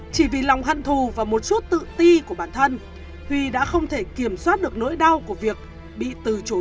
chỉ vì lòng hận thù và một chút tự ti của bản thân huy đã không thể kiểm soát được nỗi đau của việc bị từ chối